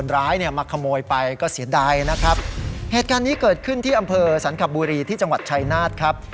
เดินขึ้นที่อำเภอสรรคบุรีที่จังหวัดชายนาฏครับ